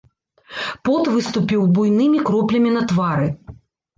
Пот выступіў буйнымі кроплямі на твары.